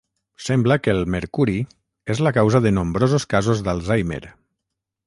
Sembla que el mercuri és la causa de nombrosos casos d'Alzheimer.